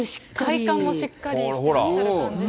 体幹もしっかりしてらっしゃる感じで。